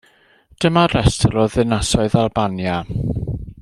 Dyma restr o ddinasoedd Albania.